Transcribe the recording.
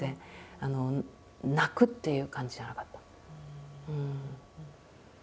あの泣くっていう感じじゃなかった。